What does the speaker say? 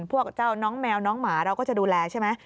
พวกเจ้าน้องแมวน้องหมาเราก็จะดูแลใช่ไหม